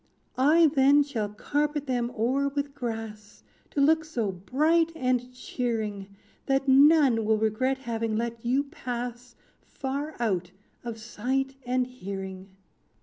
"I then shall carpet them o'er with grass, To look so bright and cheering, That none will regret having let you pass Far out of sight and hearing.